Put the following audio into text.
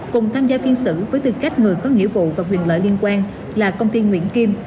cùng tham gia phiên xử với tư cách người có nghĩa vụ và quyền lợi liên quan là công ty nguyễn kim